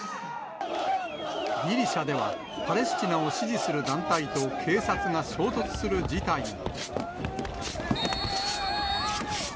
ギリシャではパレスチナを支持する団体と警察が衝突する事態に。